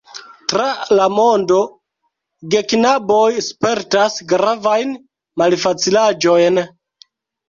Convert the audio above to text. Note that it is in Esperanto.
Tra la mondo geknaboj spertas gravajn malfacilaĵojn.